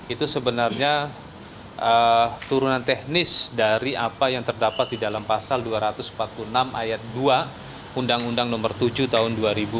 itu sebenarnya turunan teknis dari apa yang terdapat di dalam pasal dua ratus empat puluh enam ayat dua undang undang nomor tujuh tahun dua ribu dua